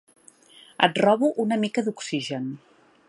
Et robo una mica d'oxigen.